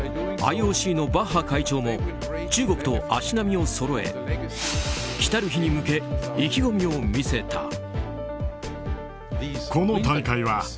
ＩＯＣのバッハ会長も中国と足並みをそろえ来る日に向け意気込みを見せた。